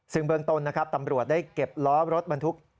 ซึ่งเบื้องต้นนะครับตำรวจได้เก็บล้อรถบรรทุก